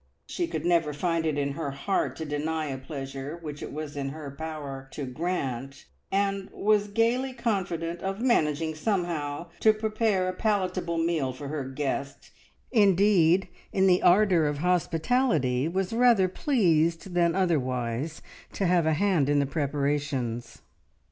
She could never find it in her heart to deny a pleasure which it was in her power to grant, and was gaily confident of managing "somehow" to prepare a palatable meal for her guest, indeed, in the ardour of hospitality was rather pleased than otherwise to have a hand in the preparations.